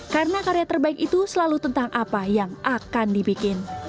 karena karya terbaik itu selalu tentang apa yang akan dibikin